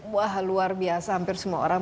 wah luar biasa hampir semua orang